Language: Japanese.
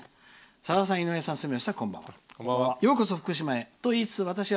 「さださん、井上さん、住吉さんこんばんは。